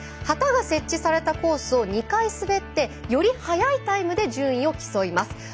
旗が設置されたコースを２回滑ってより速いタイムで順位を競います。